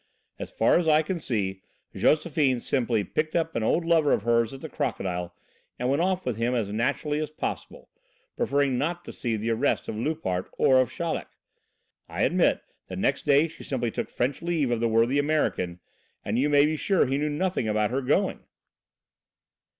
As far as I can see, Josephine simply picked up an old lover of hers at the 'Crocodile' and went off with him as naturally as possible, preferring not to see the arrest of Loupart or of Chaleck. I admit that next day she simply took French leave of the worthy American, and you may be sure he knew nothing about her going."